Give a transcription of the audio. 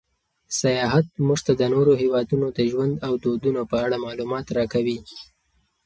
سیاحت موږ ته د نورو هېوادونو د ژوند او دودونو په اړه معلومات راکوي.